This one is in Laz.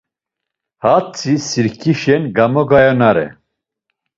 Hatzi sirǩişen gamagoyonare.